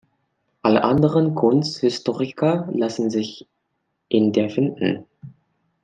Alle anderen Kunsthistoriker lassen sich in der finden.